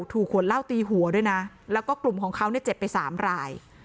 ถูกขวดเหล้าตีหัวด้วยนะแล้วก็กลุ่มของเขาเนี่ยเจ็บไปสามราย